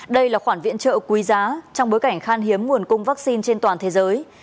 đây là khoản viện trợ quý giá trong bối cảnh khan hiếm nguồn cung vaccine trên toàn thế giới